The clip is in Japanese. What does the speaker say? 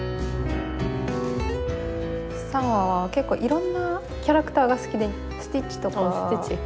サンファは結構いろんなキャラクターが好きでスティッチとか。スティッチ。